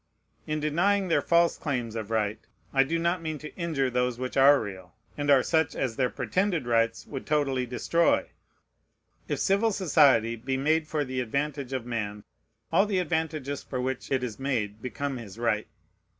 In denying their false claims of right, I do not mean to injure those which are real, and are such as their pretended rights would totally destroy. If civil society be made for the advantage of man, all the advantages for which it is made become his right.